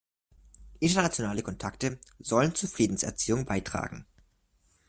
Internationale Kontakte sollen zur „Friedenserziehung“ beitragen.